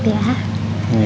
apa sehat sehat ya